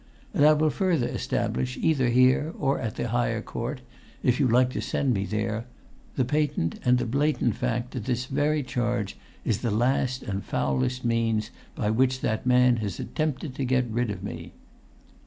And I will further establish, either here or at the higher court, if you like to send me there, the patent and the blatant fact that this very charge is the last and the foulest means by which that man has attempted to get rid of me!"